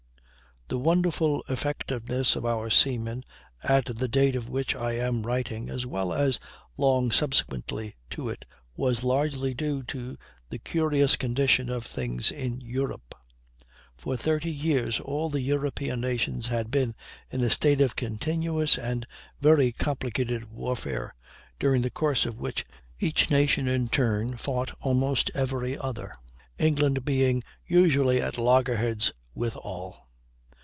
The wonderful effectiveness of our seamen at the date of which I am writing as well as long subsequently to it was largely due to the curious condition of things in Europe. For thirty years all the European nations had been in a state of continuous and very complicated warfare, during the course of which each nation in turn fought almost every other, England being usually at loggerheads with all.